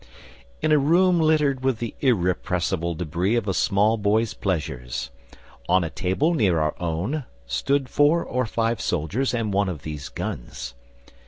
in a room littered with the irrepressible debris of a small boy's pleasures. On a table near our own stood four or five soldiers and one of these guns.